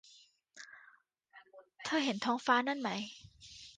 เธอเห็นท้องฟ้านั่นไหม